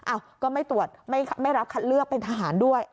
ก็ไม่ตรวจไม่รับคัดเลือกเป็นทหารด้วย